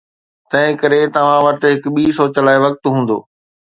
تنهن ڪري توهان وٽ هڪ ٻي سوچ لاء وقت هوندو.